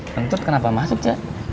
tentu kenapa masuk c